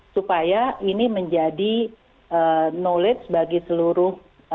supaya ini menjadi knowledge bagi seluruh perawat dan dokter